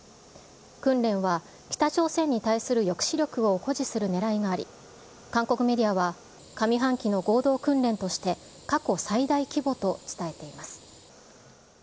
訓練は北朝鮮に対する抑止力を誇示するねらいがあり、韓国メディアは、上半期の合同訓練として、過去最大規模と伝えています。